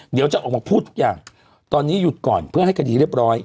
เดี๋ยวจะออกมาพูดทุกอย่างตอนนี้หยุดก่อนเพื่อให้คดีเรียบร้อย